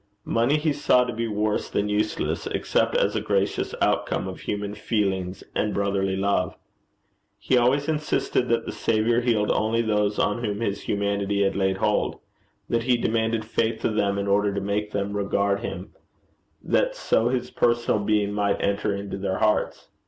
Money he saw to be worse than useless, except as a gracious outcome of human feelings and brotherly love. He always insisted that the Saviour healed only those on whom his humanity had laid hold; that he demanded faith of them in order to make them regard him, that so his personal being might enter into their hearts.